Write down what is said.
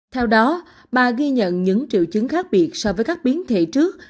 theo đó bà ghi nhận những triệu chứng khác biệt so với các biến thể trước